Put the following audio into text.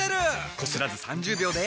こすらず３０秒で。